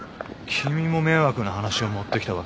君も迷惑な話を持ってきたわけか。